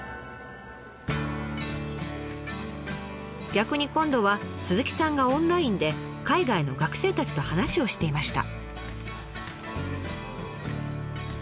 逆に今度は鈴木さんがオンラインで海外の学生たちと話をしていました。